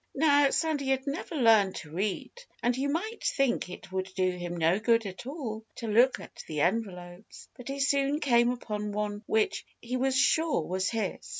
Now, Sandy had never learned to read. And you might think it would do him no good at all to look at the envelopes. But he soon came upon one which he was sure was his.